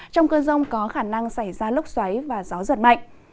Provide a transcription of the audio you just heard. trong cơn rông có khả năng xảy ra lốc xoáy và gió giật mạnh